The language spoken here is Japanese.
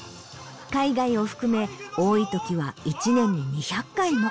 海外を含め多いときは一年に２００回も。